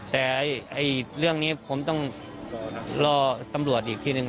แต่เรื่องนี้ผมต้องรอตำรวจอีกทีหนึ่ง